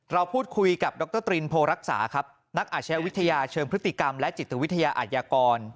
เราพูดคุยกับดรตรินโพรักษาครับนักอาชญาวิทยาเชิงพฤติกรรมและจิตวิทยาอาชญากร